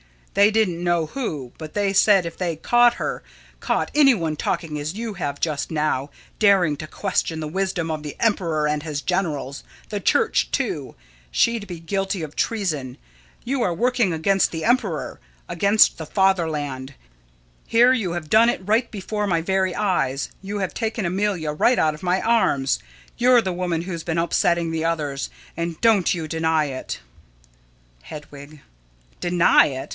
They didn't know who; but they said if they caught her caught any one talking as you have just now, daring to question the wisdom of the emperor and his generals, the church, too, she'd be guilty of treason. You are working against the emperor, against the fatherland. Here you have done it right before my very eyes; you have taken Amelia right out of my arms. You're the woman who's been upsetting the others, and don't you deny it. Hedwig: Deny it?